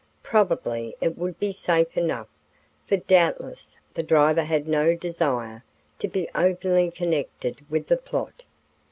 Probably it would be safe enough, for doubtless the driver had no desire to be openly connected with the plot.